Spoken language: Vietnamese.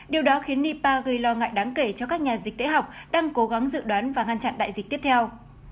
điều đó khiến nipa gây lo ngại đáng kể cho các nhà dịch tễ học đang cố gắng dự đoán và ngăn chặn đại dịch tiếp theo